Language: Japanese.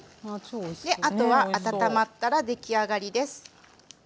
あとは温まったら出来上がりです。